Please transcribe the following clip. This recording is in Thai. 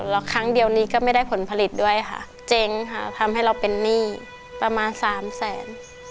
แล้วครั้งเดียวนี้ก็ไม่ได้ผลผลิตด้วยค่ะเจ๊งค่ะทำให้เราเป็นหนี้ประมาณสามแสน